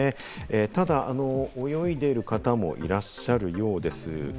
ただ泳いでいる方もいらっしゃるようです。